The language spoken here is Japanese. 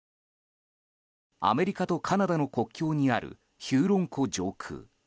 アメリカとカナダの国境にあるヒューロン湖上空。